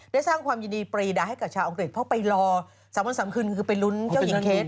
สร้างความยินดีปรีดาให้กับชาวอังกฤษเพราะไปรอ๓วัน๓คืนคือไปลุ้นเจ้าหญิงเคส